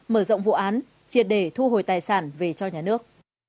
mở rộng vụ án triệt để thu hồi tài sản về cho nhà nước